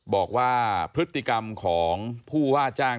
บอกว่าพฤติกรรมของผู้ว่าจ้าง